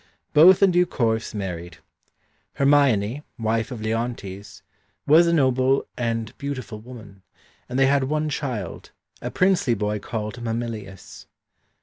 Both in due course married. Hermione, wife of Leontes, was a noble and beautiful woman, and they had one child, a princely boy called Mamillius.